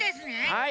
はい。